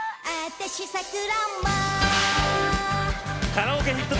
カラオケヒット